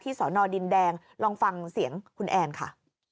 สอนอดินแดงลองฟังเสียงคุณแอนค่ะ